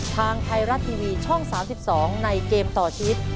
ทางไทยรัฐทีวีช่อง๓๒ในเกมต่อชีวิต